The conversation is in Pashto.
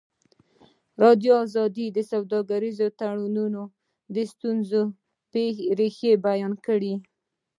ازادي راډیو د سوداګریز تړونونه د ستونزو رېښه بیان کړې.